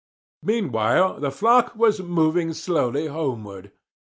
Meanwhile, the flock was moving slowly homeward.